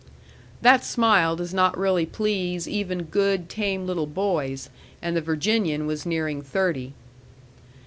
That smile does not really please even good, tame little boys; and the Virginian was nearing thirty.